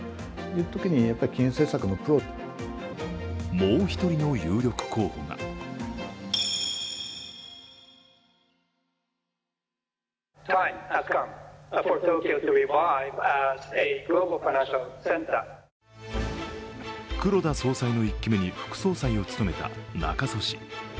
もう１人の有力候補が黒田総裁の１期目に副総裁を務めた中曽氏。